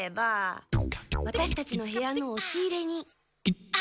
ワタシたちの部屋のおし入れに。